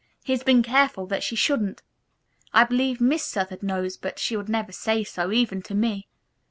"He has been careful that she shouldn't. I believe Miss Southard knows, but she would never say so, even to me.